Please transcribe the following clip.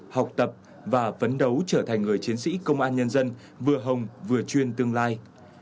học tập và phấn đấu trở thành người chiến sĩ công an nhân dân vừa hồng vừa chuyên tương lai